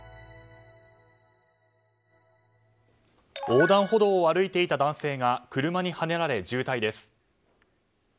横断歩道を歩いていた男性が車にはねられ重体です。